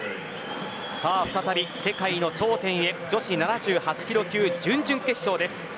再び世界の頂点へ女子７８キロ級準々決勝です。